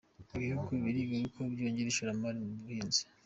Ibihugu biriga uko byongera ishoramari mu buhinzi.